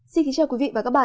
xin kính chào quý vị và các bạn